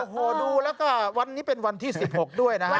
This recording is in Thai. โอ้โหดูแล้วก็วันนี้เป็นวันที่๑๖ด้วยนะฮะ